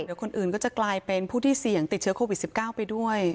เดี๋ยวคนอื่นก็จะกลายเป็นผู้ที่เสี่ยงติดเชื้อโควิด๑๙ไปด้วย